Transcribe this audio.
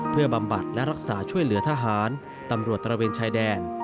เพื่อบำบัดและรักษาช่วยเหลือทหารตำรวจตระเวนชายแดน